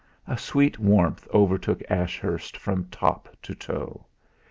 A sweet warmth overtook Ashurst from top to toe.